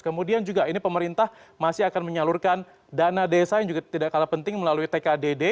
kemudian juga ini pemerintah masih akan menyalurkan dana desa yang juga tidak kalah penting melalui tkdd